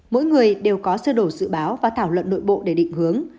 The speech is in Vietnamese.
mỗi người đều có sơ đồ dự báo và thảo luận nội bộ để định hướng